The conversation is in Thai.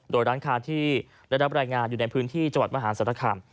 โดยร้านค้าที่ได้รับรายงานอยู่ในพื้นที่จังหวัดมหาศาลคาม